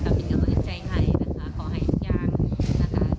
กะบินก็แอบใจให้นะคะขอให้อีกอย่างนะคะ